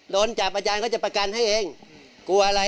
โดนจับอาจารย์ก็จะประกันให้เองกลัวอะไร